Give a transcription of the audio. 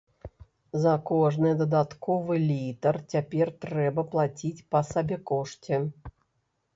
За кожны дадатковы літр цяпер трэба плаціць па сабекошце.